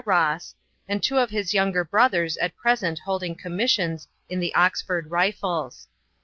Ross, and two of his younger brothers at present holding commissions in the Oxford Rifles.